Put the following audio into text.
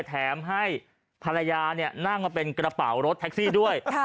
แถมให้ภรรยานั่งมาเป็นกระเป๋ารถแท็กซี่ด้วย